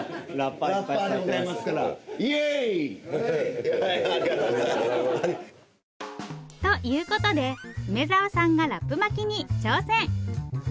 イエーイ！ということで梅沢さんがラップ巻きに挑戦